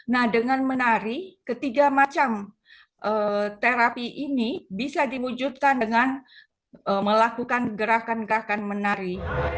nah dengan menari ketiga macam terapi ini bisa diwujudkan dengan melakukan gerakan gerakan menari